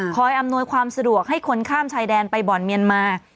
อำนวยความสะดวกให้คนข้ามชายแดนไปบ่อนเมียนมา